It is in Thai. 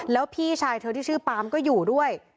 แล้วพี่ชายเธอที่ชื่อปามก็อยู่ด้วย